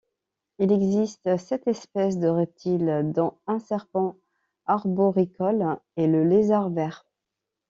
Il existe sept espèces de reptiles, dont un serpent arboricole et le lézard vert.